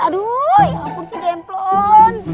aduh ya ampun si demplon